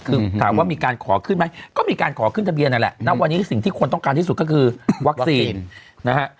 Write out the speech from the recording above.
คือถามว่ามีการขอขึ้นไหมก็มีการขอขึ้นทะเบียนนั่นแหละณวันนี้สิ่งที่คนต้องการที่สุดก็คือวัคซีนนะฮะ